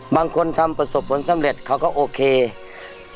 บางคนทำประสบผลสำเร็จเขาก็โอเค